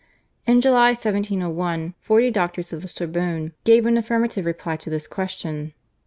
In July 1701 forty doctors of the Sorbonne gave an affirmative reply to this question.